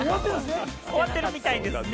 終わってるみたいですね。